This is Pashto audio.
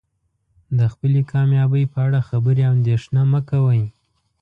د خپلې کامیابۍ په اړه خبرې او اندیښنه مه کوئ.